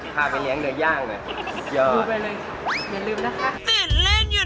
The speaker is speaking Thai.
ติดเล่นอยู่นั่นแหละไม่สนใจเขาเลยอ่ะ